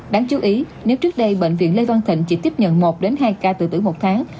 đáng chú ý nếu trước đây bệnh viện lê văn thịnh chỉ tiếp nhận một hai ca từ tuổi một tháng